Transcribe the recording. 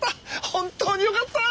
本当によかった！